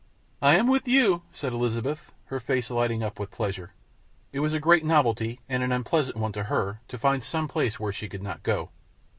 "I am with you," said Elizabeth, her face lighting up with pleasure. It was a great novelty, and an unpleasant one to her, to find some place where she could not go.